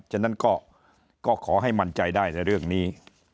ฉะนั้นก็ขอให้มั่นใจได้ในเรื่องนี้